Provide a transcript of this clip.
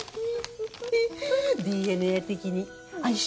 ＤＮＡ的に相性